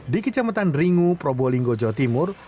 di kecamatan ringu probolinggo jawa timur